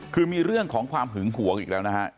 คือมีเรื่องของความหึงหวงอีกแล้วนะฮะ